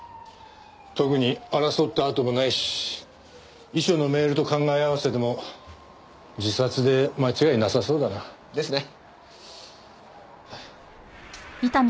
特に争った跡もないし遺書のメールと考え合わせても自殺で間違いなさそうだな。ですね。